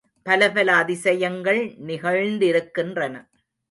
பலபல அதிசயங்கள் நிகழ்த்திருக்கின்றன.